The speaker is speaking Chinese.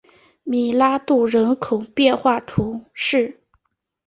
米拉杜人口变化图示